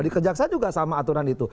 di kejaksaan juga sama aturan itu